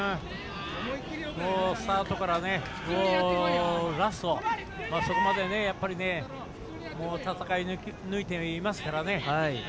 スタートからラストそこまで戦い抜いていますからね。